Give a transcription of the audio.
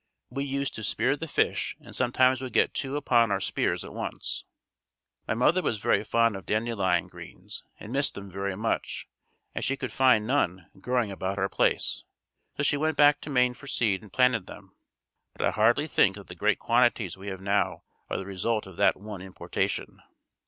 We used to spear the fish and sometimes would get two upon our spears at once. My mother was very fond of dandelion greens, and missed them very much, as she could find none growing about our place. So she sent back to Maine for seed and planted them. But I hardly think that the great quantities we have now are the result of that one importation.